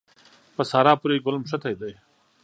په سارا پورې ګل مښتی دی.